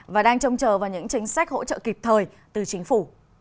và đang trông chờ vào những chính sách hỗ trợ kịp thời từ chính phủ